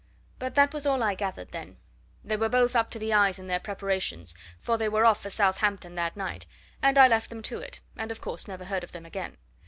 But that was all I gathered then they were both up to the eyes in their preparations, for they were off for Southampton that night, and I left them to it and, of course, never heard of them again.